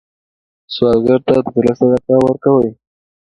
سوالګر ته د زړه صدقه ورکوئ